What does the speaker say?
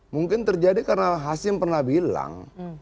mungkin terjadi karena hasim pernah bilang